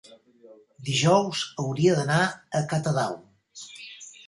Dijous hauria d'anar a Catadau.